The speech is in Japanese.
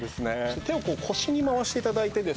手をこう腰に回していただいてですね。